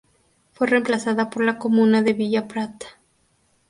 Fue reemplazada por la comuna de Villa Prat.